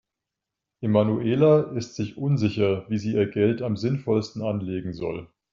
Emanuela ist sich unsicher, wie sie ihr Geld am sinnvollsten anlegen soll.